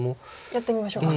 やってみましょうか。